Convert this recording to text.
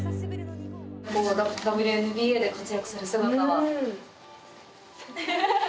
ＷＮＢＡで活躍される姿は。